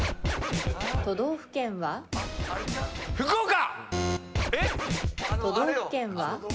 都道府県は？福岡！